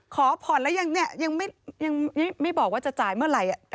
ขอผ่อนแล้วยังไม่บอกว่าจะจ่ายเมื่อไหร่